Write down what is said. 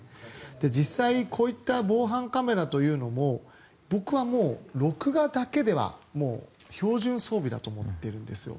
実際、こういった防犯カメラというのも僕はもう録画だけではもう標準装備だと思ってるんですよ。